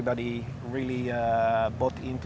dan kemudian semua orang